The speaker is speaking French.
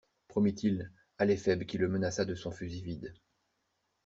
Promit-il, à l'éphèbe qui le menaça de son fusil vide.